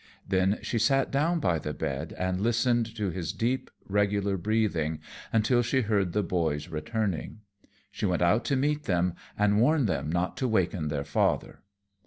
Then she sat down by the bed and listened to his deep, regular breathing until she heard the boys returning. She went out to meet them and warn them not to waken their father.